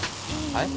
はい？